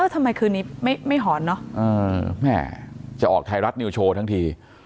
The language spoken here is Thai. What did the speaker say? ทำไมคืนนี้ไม่หอนเนอะแม่จะออกไทยรัฐนิวโชว์ทั้งที